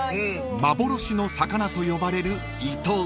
［幻の魚と呼ばれるイトウ］